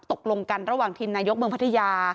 ตกลงกันระหว่างทีมนายกเมืองพัทยา